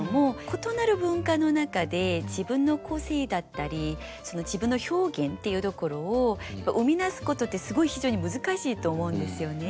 異なる文化の中で自分の個性だったり自分の表現っていうところを生み出すことってすごい非常に難しいと思うんですよね。